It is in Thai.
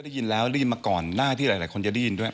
ได้ยินแล้วได้ยินมาก่อนหน้าที่หลายคนจะได้ยินด้วย